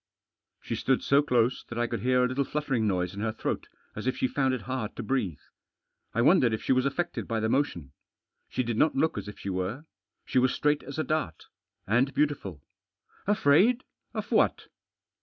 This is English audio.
She stood so close that I could hear a little fluttering noise in her throat, as if she found it hard to breathe. I wondered if she was affected by the motion. She did not look as if she were. She was straight as a dart. And beautiful. "Afraid? Of what?"